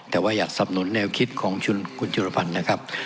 แต่ว่าอยากสำนุนแนวคิดของชุนกุฏิฎภัณฑ์นะครับ